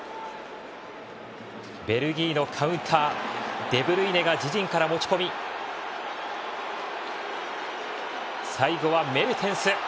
ベルギーのカウンターデブルイネが自陣から持ち込み最後はメルテンス。